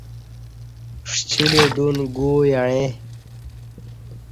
ݜِلی ڈُن گو یعیں